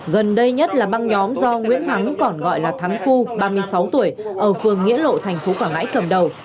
gần đây nhất là băng nhóm do nguyễn thắng còn gọi là thắng phu ba mươi sáu tuổi ở phường nghĩa lộ thành phố quảng ngãi cầm đầu